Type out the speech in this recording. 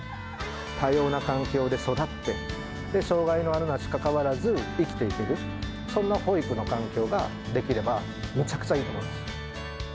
多様な環境で育って、障がいのあるなしかかわらず、生きていける、そんな保育の環境ができれば、めちゃくちゃいいと思います。